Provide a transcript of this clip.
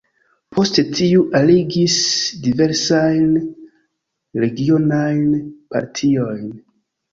Poste tiu aligis diversajn regionajn partiojn.